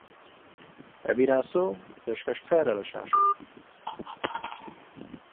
ئەڤین ئاسۆ پێشکەشکارە لە شاشە